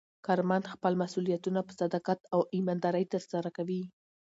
کارمند خپل مسوولیتونه په صداقت او ایماندارۍ ترسره کوي